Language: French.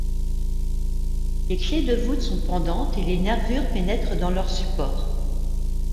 Les clefs de voûtes sont pendantes, et les nervures pénètrent dans leur support.